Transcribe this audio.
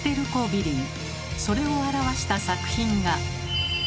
それを表した作品が。